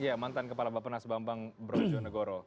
ya mantan kepala bapak nas bambang brojo negoro